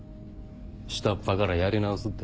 下っ端からやり直すって？